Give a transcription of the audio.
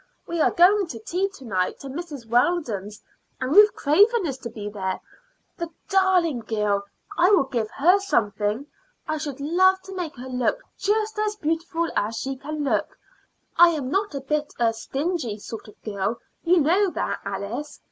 We are going to tea to night to Mrs. Weldon's, and Ruth Craven is to be there. The darling girl I will give her something. I should love to make her look just as beautiful as she can look. I am not a bit a stingy sort of girl; you know that, Alice.